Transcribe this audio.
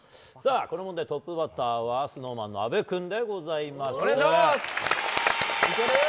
この問題トップバッターはＳｎｏｗＭａｎの阿部君でございます。